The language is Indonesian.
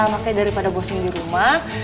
makanya daripada bosing di rumah